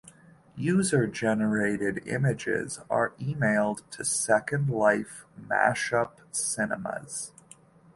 User-generated images are emailed to Second Life mashup cinemas.